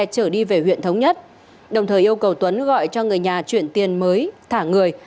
trở đi về huyện thống nhất đồng thời yêu cầu tuấn gọi cho người nhà chuyển tiền mới thả người